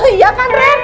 iya kan randy